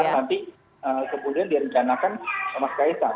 karena nanti kemudian direncanakan mas kay sang